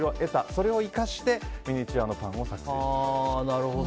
それを生かしてミニチュアのパンを作成したと。